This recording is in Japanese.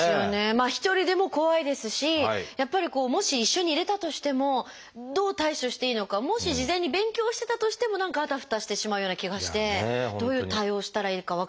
一人でも怖いですしやっぱりもし一緒にいれたとしてもどう対処していいのかをもし事前に勉強してたとしても何かあたふたしてしまうような気がしてどういう対応をしたらいいか分からないですよね。